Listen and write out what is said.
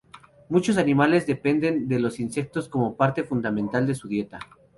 Muchos animales dependen de los insectos como parte fundamental de su dieta.